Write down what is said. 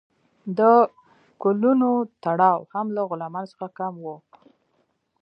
د کولونو تړاو هم له غلامانو څخه کم و.